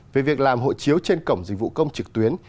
về việc làm hộ chiếu trên cổng dịch vụ công trực tuyến